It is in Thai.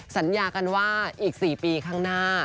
สัญญากันว่าอีก๔ปีข้างหน้า